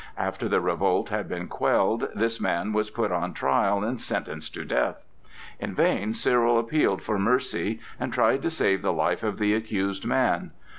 After the revolt had been quelled, this man was put on trial and sentenced to death. In vain Cyril appealed for mercy and tried to save the life of the accused man.